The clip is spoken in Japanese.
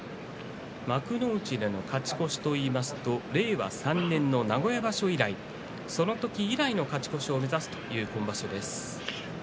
幕内での勝ち越しといいますと令和３年の名古屋場所以来その時以来の勝ち越しを目指すという今場所です。